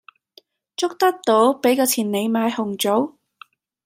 捉得到，俾個錢你買紅棗